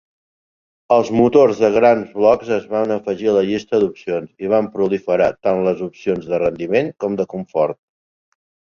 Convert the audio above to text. Els motors de grans blocs es van afegir a la llista d'opcions i van proliferar tant les opcions de rendiment com de confort.